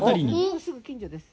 もうすぐ近所です。